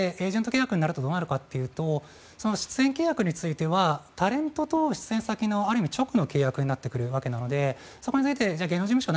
エージェント契約になるとどうなるかというと出演契約についてはタレントと出演先のある意味直の契約になるので芸能事務所は